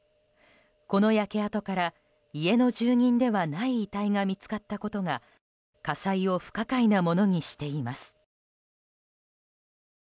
この焼け跡から家の住人ではない遺体が見つかったことが、火災を不可解なものにしています。